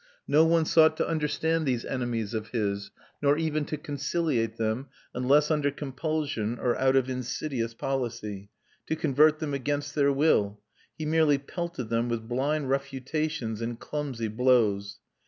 No one sought to understand these enemies of his, nor even to conciliate them, unless under compulsion or out of insidious policy, to convert them against their will; he merely pelted them with blind refutations and clumsy blows.